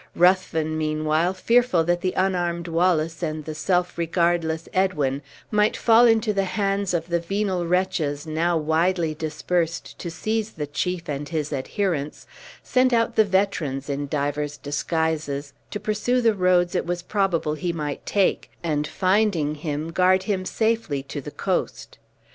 Ruthven, meanwhile, fearful that the unarmed Wallace and the self regardless Edwin might fall into the hands of the venal wretches now widely dispersed to seize the chief and his adherents, sent out the veterans, in divers disguises, to pursue the roads it was probable he might take, and finding him, guard him safely to the coast.